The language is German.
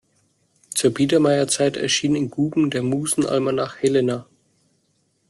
Zur Biedermeierzeit erschien in Guben der Musenalmanach "Helena".